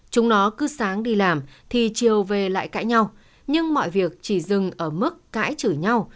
chúng nó cứ sáng đi làm thì chiều về lại cãi nhau nhưng mọi việc chỉ dừng ở mức cãi chửi nhau